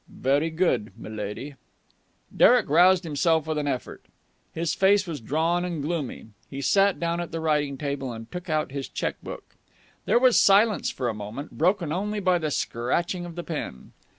"Very good, m'lady." Derek roused himself with an effort. His face was drawn and gloomy. He sat down at the writing table, and took out his cheque book. There was silence for a moment, broken only by the scratching of the pen.